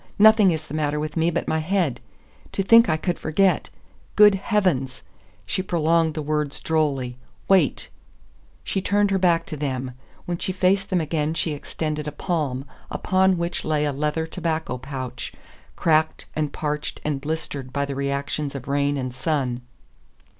Nothing is the matter with me but my head.... To think I could forget! Good heavens!" She prolonged the words drolly. "Wait." She turned her back to them. When she faced them again she extended a palm upon which lay a leather tobacco pouch, cracked and parched and blistered by the reactions of rain and sun.